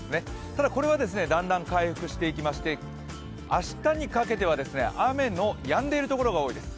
ただ、これはだんだん回復していきまして、明日にかけては雨のやんでいるところが多いです。